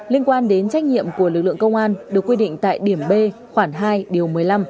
liên quan đến trách nhiệm của lực lượng công an được quy định tại điểm b khoảng hai điều một mươi năm